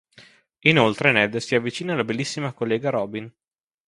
Inoltre Ned si avvicina alla bellissima collega Robin.